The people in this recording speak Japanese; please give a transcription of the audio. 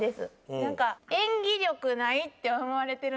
なんか演技力ないって思われてるんですけど私。